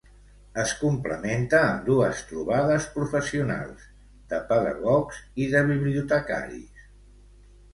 Es complementa amb dues trobades professionals, de pedagogs i de bibliotecaris.